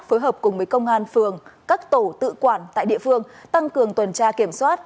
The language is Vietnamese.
phối hợp cùng với công an phường các tổ tự quản tại địa phương tăng cường tuần tra kiểm soát